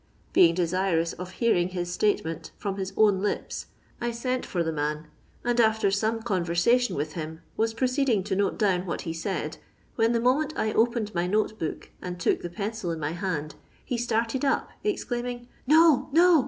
B«ng desirous of hearing his statement from his own lips I sent for .the man, and after some conversation with him was proModing to note down what he said, when the moment I opened my note book and took the pencil in my hand, he started up, exclaiming, —'* No, no